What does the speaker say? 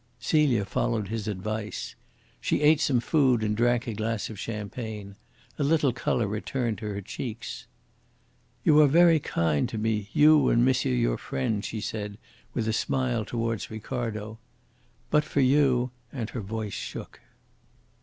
Celia followed his advice. She ate some food and drank a glass of champagne. A little colour returned to her cheeks. "You are very kind to me, you and monsieur your friend," she said, with a smile towards Ricardo. "But for you " and her voice shook.